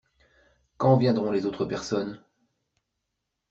Quand viendront les autres personnes ?